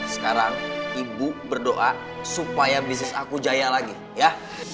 sekarang ibu berdoa supaya bisnis aku jaya lagi ya